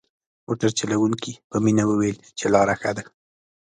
موټر چلوونکي په مينه وويل چې لاره ښه ده.